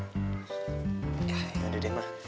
ya ya udah deh ma